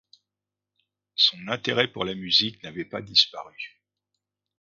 Son intérêt pour la musique n'avait pas disparu.